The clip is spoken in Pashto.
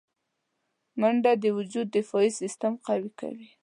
منډه د وجود دفاعي سیستم قوي کوي